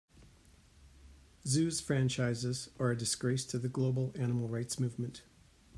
Zoos franchises are a disgrace to the global animal rights movement.